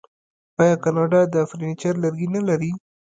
آیا کاناډا د فرنیچر لرګي نلري؟